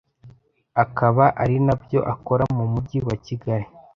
akaba ari na byo akora mu Mujyi wa Kigali